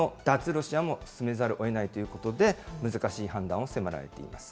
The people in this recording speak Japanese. ロシアも進めざるをえないということで、難しい判断を迫られています。